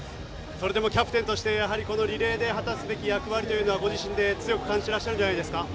それでもキャプテンとしてこのリレーで果たすべき役割というのは、ご自身で強く感じられてるんじゃないですか？